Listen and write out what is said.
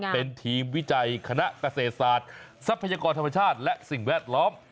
เป็นทีมวิจัยคณะเกษตรศาสตร์ทรัพยากรธรรมชาติและสิ่งแวดล้อม